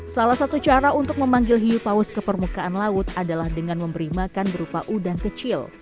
salah satu cara untuk memanggil hiu paus ke permukaan laut adalah dengan memberi makan berupa udang kecil